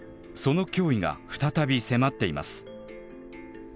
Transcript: その脅威が再び迫っています。